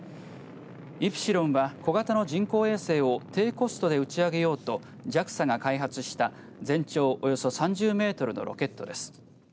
イプシロンは小型の人工衛星を低コストで打ち上げようとＪＡＸＡが開発した全長およそ３０メートルのロケットです。